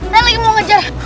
saya lagi mau ngejar